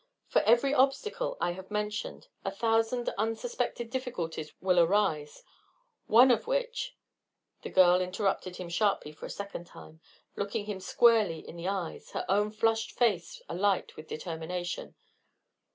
For every obstacle I have mentioned, a thousand unsuspected difficulties will arise, any one of which " The girl interrupted him sharply for a second time, looking him squarely in the eyes, her own flushed face alight with determination.